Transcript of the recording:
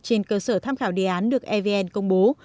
trên cơ sở tham khảo đề án được evn công bố